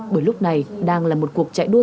bởi lúc này đang là một cuộc chạy đua